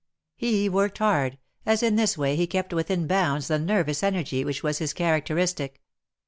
He worked hard, as in this way he kept within bounds the nervous energy which was his characteristic.